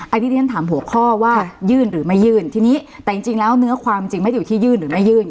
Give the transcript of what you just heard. อันนี้ที่ฉันถามหัวข้อว่ายื่นหรือไม่ยื่นทีนี้แต่จริงแล้วเนื้อความจริงไม่ได้อยู่ที่ยื่นหรือไม่ยื่น